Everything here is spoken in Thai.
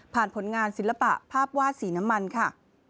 ผลงานศิลปะภาพวาดสีน้ำมันค่ะ